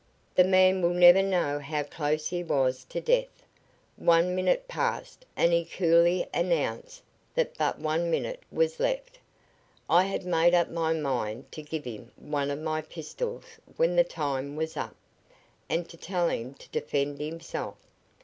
That man will never know how close he was to death. One minute passed, and he coolly announced that but one minute was left. I had made up my mind to give him one of my pistols when the time was up, and to tell him to defend himself.